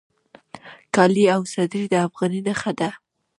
کالي او صدرۍ د افغاني نښه ده